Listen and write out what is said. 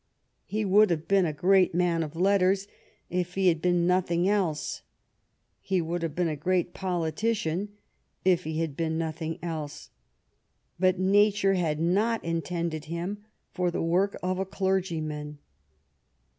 He would have been a great man of letters if he had been nothing else; he would have been a great politician if he had been nothing else ; but nature had not intended him for the work of a clergyman.